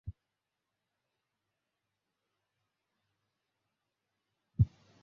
দেশের উপকূলীয় এলাকাগুলোয় বৃষ্টি ও ঝোড়ো হাওয়ার দুর্ভোগ ছিল আরও বেশি।